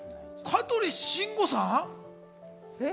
香取慎吾さん？